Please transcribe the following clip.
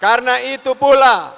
karena itu pula